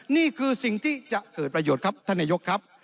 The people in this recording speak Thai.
นี่คือสิ่งที่จะเกิดประโยชน์ครับท่านนายกครับ